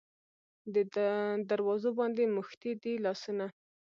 دروازو باندې موښتي دی لاسونه